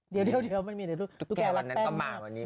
เดี๋ยวตุ๊กแก่รักแจนมาก